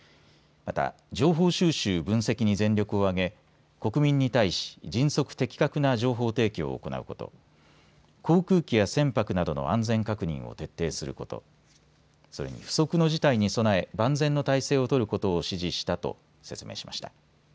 また、情報収集・分析に全力を挙げ国民に対し迅速・的確な情報提供を行うこと、航空機や船舶などの安全確認を徹底すること、それに不測の事態に備え万全の態勢を取ることを指示したと説明しました。